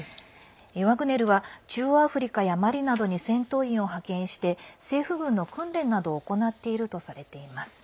ワグネルは中央アフリカやマリなどに戦闘員を派遣して政府軍の訓練などを行っているとされています。